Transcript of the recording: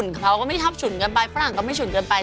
เขาก็ไม่ทับฉุนกันไปฝรั่งก็ไม่ฉุนเกินไป